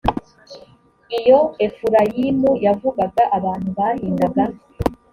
iyo efurayimu yavugaga abantu bahindaga